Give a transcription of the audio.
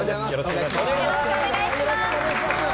よろしくお願いします。